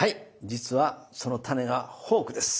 実はそのタネがフォークです！